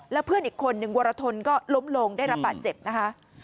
แล้วเพื่อนอีกคนนึงวรทนก็ล้มลงได้รับบาดเจ็บนะคะ